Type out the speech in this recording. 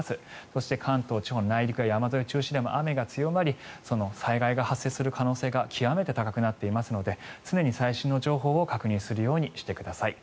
そして関東地方の内陸や山沿いを中心に雨が強まり災害が発生する可能性が極めて高くなっているので常に最新の情報を確認するようにしてください。